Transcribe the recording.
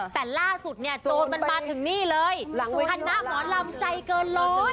แต่ล่าสุดเนี่ยโจรมันมาถึงนี่เลยคณะหมอลำใจเกินเลย